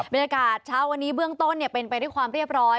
บริษัทเช้าวันนี้เบื้องต้นเนี่ยเป็นไปด้วยความเรียบร้อย